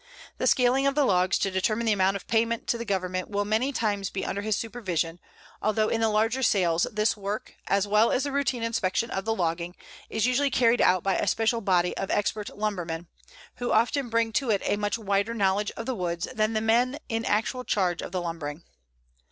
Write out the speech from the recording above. The scaling of the logs to determine the amount of payment to the Government will many times be under his supervision, although in the larger sales this work, as well as the routine inspection of the logging, is usually carried out by a special body of expert lumbermen, who often bring to it a much wider knowledge of the woods than the men in actual charge of the lumbering.